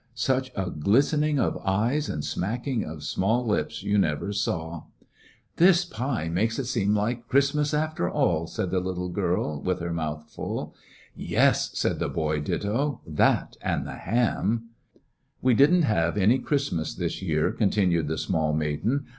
Such a glistening of eyes and smacking of small lips you never saw I "This pie makes it seem like Christmas^ after all/' said the little girl^ with her mouth fuU, ^*Ycs/' said the boy^ ditto,— "that and the ham.^^ "We did n't have any Christmas this year/' continued the small maiden.